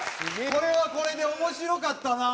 これはこれで面白かったな。